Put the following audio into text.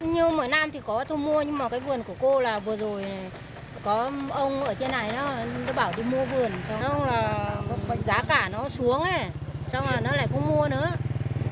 như mỗi năm thì có thu mua nhưng mà cái vườn của cô là vừa rồi có ông ở trên này nó bảo đi mua vườn xong là giá cả nó xuống là nó lại cũng mua nữa